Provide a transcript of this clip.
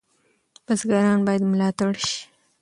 بزګران باید ملاتړ شي.